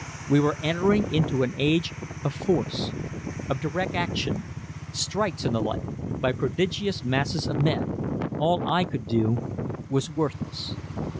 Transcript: We were entering into an age of force of "direct action" strikes and the like by prodigious masses of men. All I could do was worthless.